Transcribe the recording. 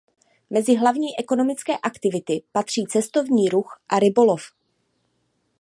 Mezi hlavní ekonomické aktivity patří cestovní ruch a rybolov.